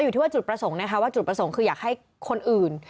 อยู่ที่ว่าจุดประสงค์นะคะว่าจุดประสงค์คืออยากให้คนอื่น